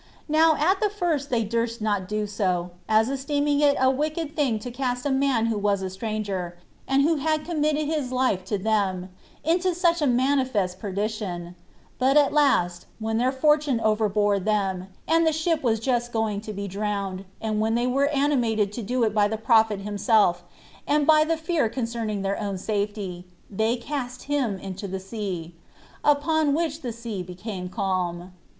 Now at the first they durst not do so, as esteeming it a wicked thing to cast a man who was a stranger, and who had committed his life to them, into such manifest perdition; but at last, when their misfortune overbore them, and the ship was just going to be drowned, and when they were animated to do it by the prophet himself, and by the fear concerning their own safety, they cast him into the sea; upon which the sea became calm.